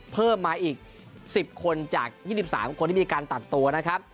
เพิ่มมาอีก๑๐คนจาก๒๓คนที่มีการตัดตัวนะครับ